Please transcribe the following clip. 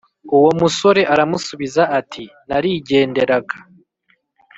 Uwo musore aramusubiza ati narigenderaga